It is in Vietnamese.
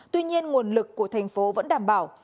tuy nhiên nguồn lực của thành phố vẫn đảm bảo